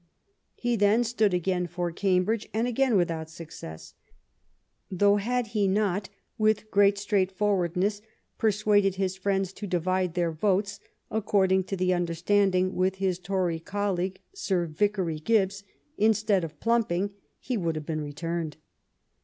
He then stood again for Cambridge, and again without success; though had he not, with great straightforwardness, per suaded his friends to divide their votes, according to the understanding with his Tory colleague. Sir Vicary Gibbs, instead of plumping, he would have been re turned.